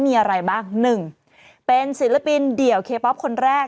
มีอะไรบ้างหนึ่งเป็นศิลปินเดี่ยวเคป๊อปคนแรก